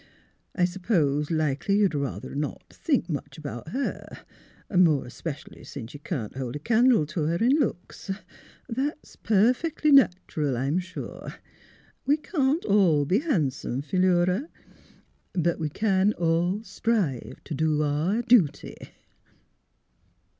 " I s'pose likely you'd ruther not think much about her, more especial 's you can't hold a candle t' her in looks. That's perfec'ly natural, I'm sure. We can't all be han'some, Philura; but we can all strive t' do our dooty."